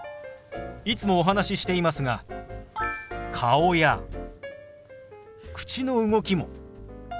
いつもお話ししていますが顔や口の動きも手話の一部ですよ。